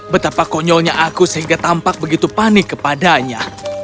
betapa konyolnya aku sehingga tampak begitu panik kepadanya